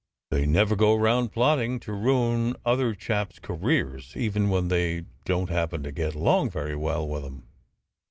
They never go round plotting to ruin other chaps careers, even when they don t happen to get along very well with em."